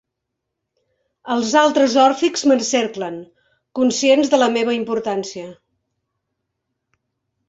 Els altres òrfics m'encerclen, conscients de la meva importància.